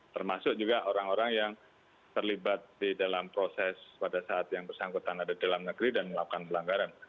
termasuk juga orang orang yang terlibat di dalam proses pada saat yang bersangkutan ada di dalam negeri dan melakukan pelanggaran